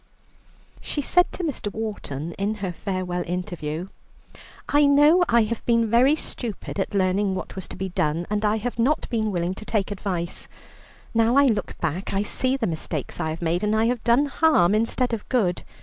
She said to Mr. Wharton in her farewell interview: "I know I have been very stupid at learning what was to be done, and I have not been willing to take advice. Now I look back, I see the mistakes I have made, and I have done harm instead of good.